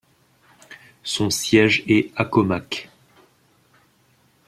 Son siège est Accomac.